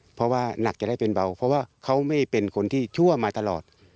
เพราะว่าหนักจะได้เป็นเบาเพราะว่าเขาไม่เป็นคนที่ชั่วมาตลอด